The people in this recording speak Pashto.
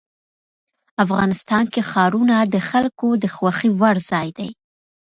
افغانستان کې ښارونه د خلکو د خوښې وړ ځای دی.